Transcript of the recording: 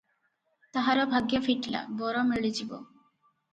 ତାହାର ଭାଗ୍ୟ ଫିଟିଲା, ବର ମିଳିଯିବ ।